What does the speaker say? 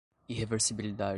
irreversibilidade